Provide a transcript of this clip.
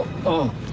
ああ。